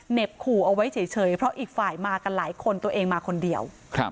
ขู่เอาไว้เฉยเพราะอีกฝ่ายมากันหลายคนตัวเองมาคนเดียว